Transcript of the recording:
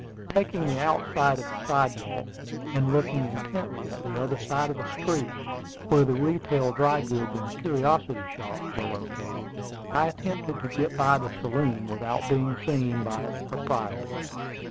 Taking the outside of the sidewalk, and looking intently at the other side of the street, where the retail dry goods and curiosity shops were located, I attempted to get by the saloon without being seen by its proprietor.